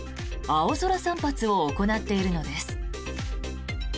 青空散髪を行っているのです。